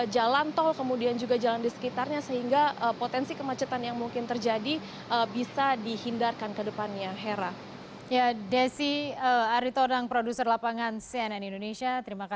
jalan tol kemudian juga jalan di sekitarnya sehingga potensi kemacetan yang mungkin terjadi bisa dihindarkan ke depannya